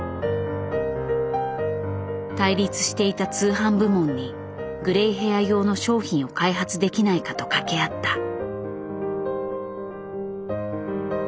対立していた通販部門にグレイヘア用の商品を開発できないかと掛け合った。